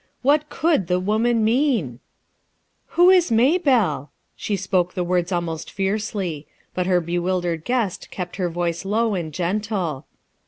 What could the woman mean I "Who is Maybelle?" she spoke the words almost fiercely; but her bewildered guest kept her voice low and gentle.